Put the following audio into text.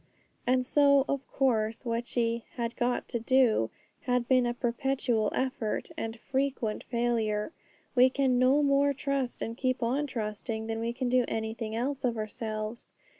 And so, of course, what she 'had got to do' had been a perpetual effort and frequent failure. We can no more trust and keep on trusting than we can do anything else of ourselves.